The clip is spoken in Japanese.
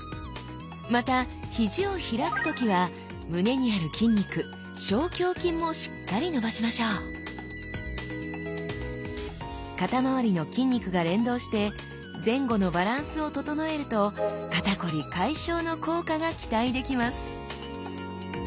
またひじを開く時は胸にある筋肉小胸筋もしっかり伸ばしましょう肩まわりの筋肉が連動して前後のバランスを整えると肩こり解消の効果が期待できます